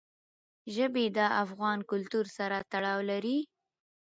ژبې د افغان کلتور سره تړاو لري.